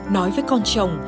nói với con chồng